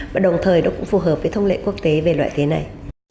và đồng thời nó cũng phù hợp với thông lệ quốc tế về loại thế này